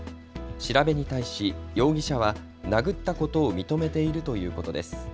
調べに対し容疑者は殴ったことを認めているということです。